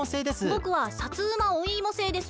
ぼくはサツーマオイーモ星です。